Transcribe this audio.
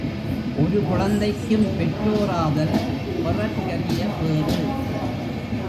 ஒரு குழந்தைக்கும் பெற்றோராதல் பெறற் கரிய பேறு.